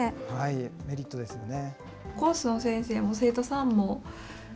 メリットですよね。